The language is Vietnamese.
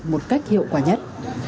một cách hiệu quả nhất